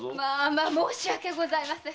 まあ申し訳ございません。